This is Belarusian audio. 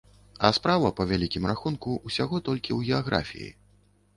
А справа, па вялікім рахунку, усяго толькі ў геаграфіі.